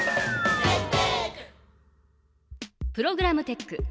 プログラムテック。